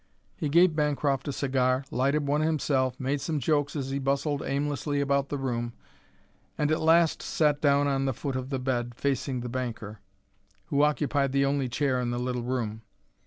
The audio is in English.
He gave Bancroft a cigar, lighted one himself, made some jokes as he bustled aimlessly around the room, and at last sat down on the foot of the bed, facing the banker, who occupied the only chair in the little room.